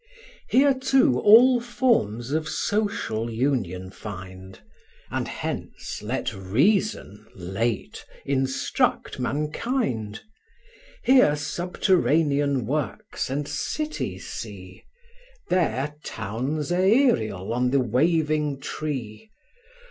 Here too all forms of social union find, And hence let reason, late, instruct mankind: Here subterranean works and cities see; There towns aërial on the waving tree.